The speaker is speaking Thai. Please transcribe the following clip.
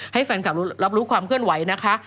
ให้แฟนคลับรับรู้ความเคลื่อนไหวนะคะ